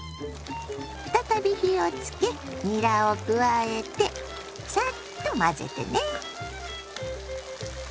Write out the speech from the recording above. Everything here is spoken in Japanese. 再び火をつけにらを加えてサッと混ぜてね。